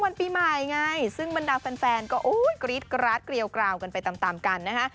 วันปีใหม่ไงซึ่งบรรดาแฟนก็กรี๊ดกราดเกลียวกราวกันไปตามตามกันนะฮะ